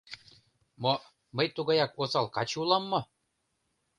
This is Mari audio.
Мо мый тугаяк осал каче улам мо?